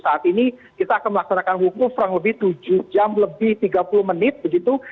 saat ini kita akan melaksanakan wukuf kurang lebih tujuh jam lebih tiga puluh menit begitu